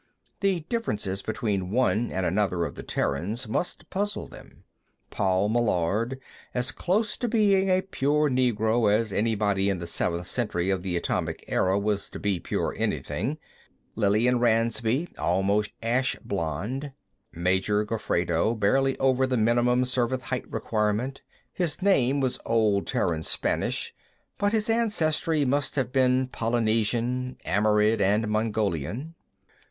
The differences between one and another of the Terrans must puzzle them. Paul Meillard, as close to being a pure Negro as anybody in the Seventh Century of the Atomic Era was to being pure anything. Lillian Ransby, almost ash blond. Major Gofredo, barely over the minimum Service height requirement; his name was Old Terran Spanish, but his ancestry must have been Polynesian, Amerind and Mongolian.